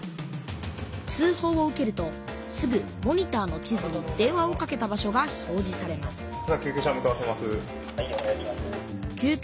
通ほうを受けるとすぐモニターの地図に電話をかけた場所が表じされます救急車向かわせます。